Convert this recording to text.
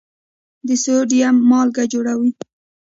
د سوډیم مالګه جوړوي.